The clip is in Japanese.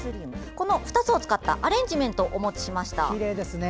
この２つを使ったアレンジメントお持ちしました。